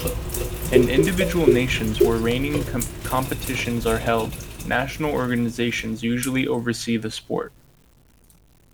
In individual nations where reining competitions are held, national organizations usually oversee the sport.